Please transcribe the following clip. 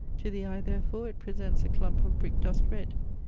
To the eye, therefore, it presents a clump of brick dust red.